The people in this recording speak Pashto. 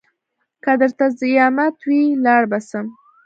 که درته زيامت وي لاړ به سم.